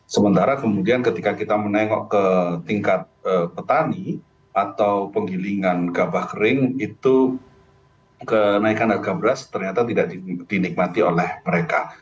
sementara kemudian ketika kita menengok ke tingkat petani atau penggilingan gabah kering itu kenaikan harga beras ternyata tidak dinikmati oleh mereka